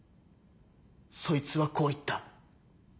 そいつはこう言った。